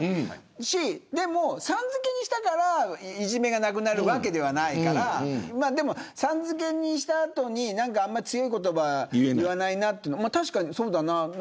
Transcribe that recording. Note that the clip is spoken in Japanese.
でも、さん付けにしたからいじめがなくなるわけではないからさん付けにした後に強い言葉、言わないなというのも確かにそうだな。